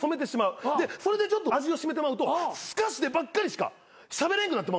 でそれでちょっと味を占めてまうとすかしでばっかりしかしゃべれんくなってまうんですよ。